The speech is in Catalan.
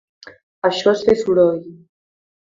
Això és fer soroll.